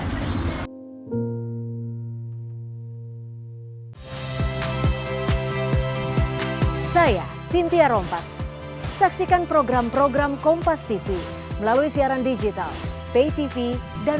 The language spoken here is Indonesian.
saya cynthia rompas saksikan program program kompas tv melalui siaran digital pay tv dan